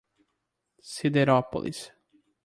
Siderópolis